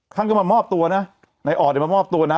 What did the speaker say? ท่านก็มามอบตัวนะนายออดเนี่ยมามอบตัวนะ